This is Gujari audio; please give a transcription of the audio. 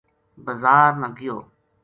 بزار نا گیو۔